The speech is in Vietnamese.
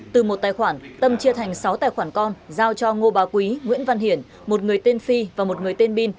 từ một tài khoản tâm chia thành sáu tài khoản con giao cho ngô bà quý nguyễn văn hiển một người tên phi và một người tên bin